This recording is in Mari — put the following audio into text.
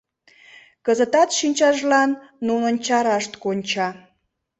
Кызытат шинчажлан нунын чарашт конча.